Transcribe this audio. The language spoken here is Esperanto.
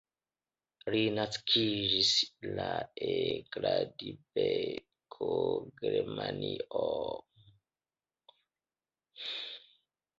Li naskiĝis la en Gladbeck, Germanio.